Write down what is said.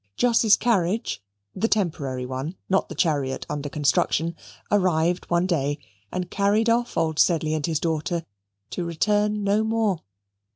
Jos's carriage (the temporary one, not the chariot under construction) arrived one day and carried off old Sedley and his daughter to return no more.